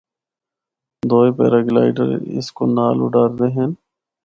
دوئے پیراگلائیڈر اس کو نال اُڈاردے ہن۔